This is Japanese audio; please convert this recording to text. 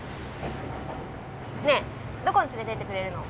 ねえどこに連れてってくれるの？